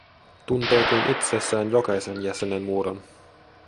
Tuntee kuin itsessään jokaisen jäsenen muodon.